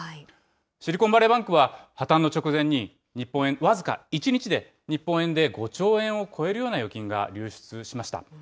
シリコンバレーバンクは破綻の直前に、日本円、僅か１日で、日本円で５兆円を超えるような預金が流出しました。